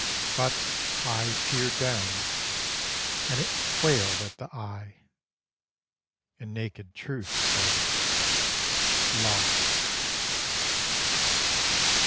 But Eye peered down; and It quailed at the Eye; and Nakéd Truth said: "Lost."